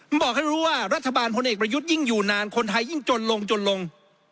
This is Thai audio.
มันบอกให้รู้ว่ารัฐบาลพลเอกประยุทธ์ยิ่งอยู่นานคนไทยยิ่งจนลงจนลง